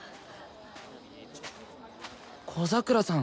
小桜さん